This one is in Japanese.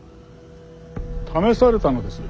試されたのですよ